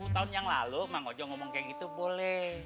sepuluh tahun yang lalu mang ojo ngomong kayak gitu boleh